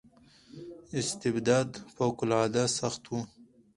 استبداد فوق العاده سخت و.